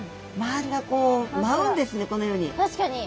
確かに。